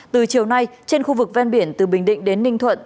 từ chiều nay trên khu vực ven biển từ bình định đến ninh thuận